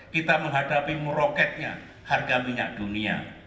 kita menghadapi meroketnya harga minyak dunia